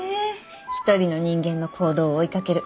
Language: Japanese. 一人の人間の行動を追いかける。